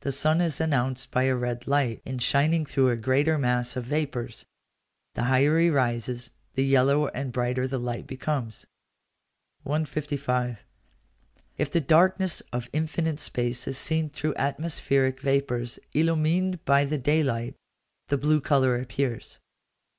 The sun is announced by a red light, in shining through a greater mass of vapours. The higher he rises, the yellower and brighter the light becomes. 155. If the darkness of infinite space is seen through atmospheric vapours illumined by the day light, the blue colour appears.